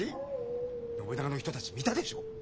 信長の人たち見たでしょ？